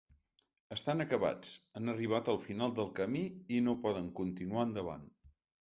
Estan acabats, han arribat al final del camí i no poden continuar endavant.